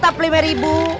tetap lima ribu